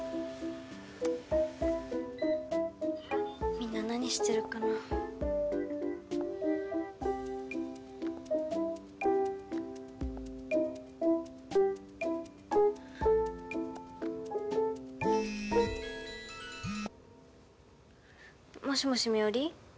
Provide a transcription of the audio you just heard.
みんな何してるかな・もしもし美織？